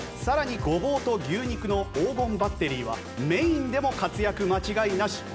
さらにごぼうと牛肉の黄金バッテリーはメインでも活躍間違いなし。